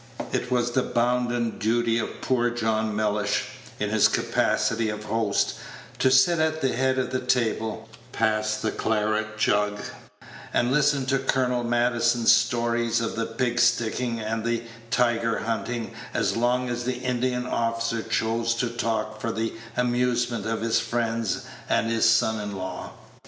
It was the bounden duty of poor John Mellish, in his capacity of host, to sit at the head of his table, pass the claret jug, and listen to Colonel Maddison's stories of the pig sticking and the tiger hunting as long as the Indian officer chose to talk for the amusement of his friend and his son in law.